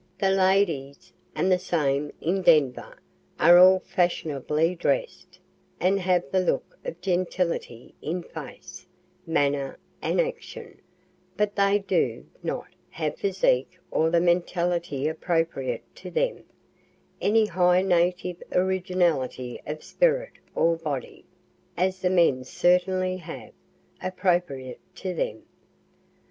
The ladies (and the same in Denver) are all fashionably drest, and have the look of "gentility" in face, manner and action, but they do not have, either in physique or the mentality appropriate to them, any high native originality of spirit or body, (as the men certainly have, appropriate to them.)